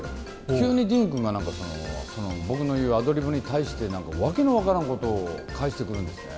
急にディーン君が、僕の言うアドリブに対して、なんか訳の分からんことを返してくるんですね。